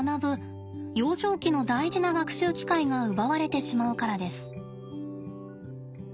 幼少期の大事な学習機会が奪われてしまうからです。